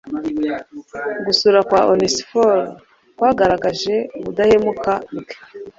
Gusura kwa Onesiforo kwagaragaje ubudahemuka bwe